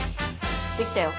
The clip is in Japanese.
できたよ。